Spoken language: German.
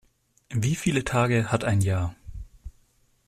Wie viele Tage hat ein Jahr?